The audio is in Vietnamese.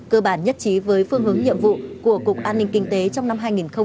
cơ bản nhất trí với phương hướng nhiệm vụ của cục an ninh kinh tế trong năm hai nghìn hai mươi